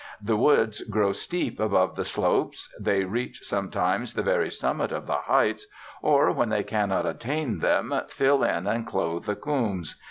The woods grow steep above the slopes; they reach sometimes the very summit of the heights, or, when they cannot attain them, fill in and clothe the coombes.